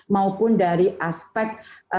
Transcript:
maupun dari aspek